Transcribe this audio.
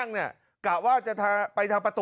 กะลาวบอกว่าก่อนเกิดเหตุ